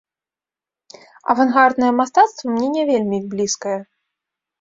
Авангарднае мастацтва мне не вельмі блізкае.